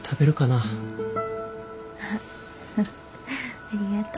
ありがとう。